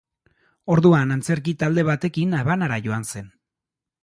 Orduan, antzerki-talde batekin Habanara joan zen.